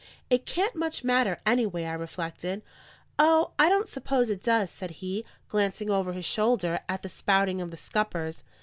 "It can't much matter, anyway," I reflected. "O, I don't suppose it does," said he, glancing over his shoulder at the spouting of the scuppers.